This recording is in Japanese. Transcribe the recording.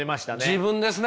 自分ですね。